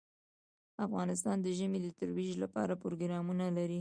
افغانستان د ژمی د ترویج لپاره پروګرامونه لري.